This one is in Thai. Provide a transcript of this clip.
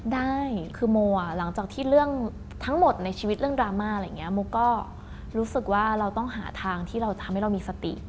ได้คือโมอ่ะหลังจากที่เรื่องทั้งหมดในชีวิตเรื่องดราม่าอะไรอย่างนี้โมก็รู้สึกว่าเราต้องหาทางที่เราทำให้เรามีสติ